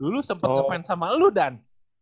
dulu sempat ngefans sama lu dan